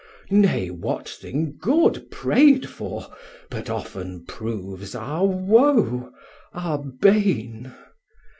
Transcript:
Nay what thing good 350 Pray'd for, but often proves our woe, our bane?